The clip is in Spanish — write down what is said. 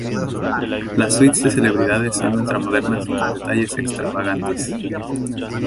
Las suites de celebridades son ultra modernas y con detalles extravagantes.